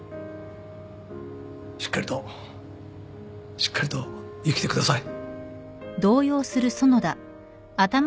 しっかりとしっかりと生きてください。